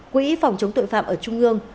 quỹ phòng chống tội phạm ở trung ương